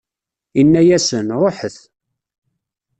Inna-asen: Ṛuḥet!